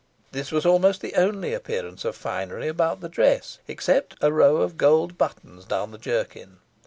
This was almost the only appearance of finery about the dress, except a row of gold buttons down the jerkin.